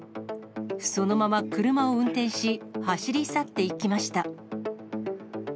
そのまま車を運転し、走り去っていきました。